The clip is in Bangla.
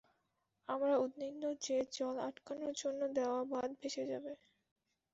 আমরা উদ্বিগ্ন যে জল আটকানোর জন্য দেওয়া বাঁধ ভেসে যাবে।